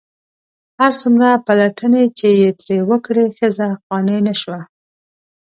هر څومره پلټنې چې یې ترې وکړې ښځه قانع نه شوه.